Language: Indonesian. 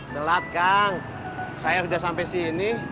gelap kang saya udah sampai sini